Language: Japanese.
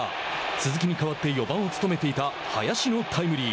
鈴木に代わって４番を務めていた林のタイムリー。